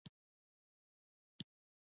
آزاد تجارت مهم دی ځکه چې مهارتونه هڅوي.